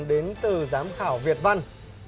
đến từ giám khảo việt văn